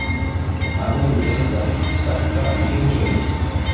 Abongereza Sascha Kindred